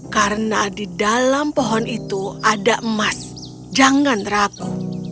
karena di dalam pohon itu ada emas jangan ragu